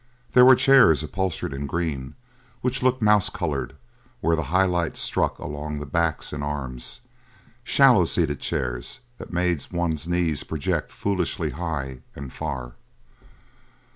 There were chairs upholstered in green which looked mouse coloured where the high lights struck along the backs and the arms shallow seated chairs that made one's knees project foolishly high and far.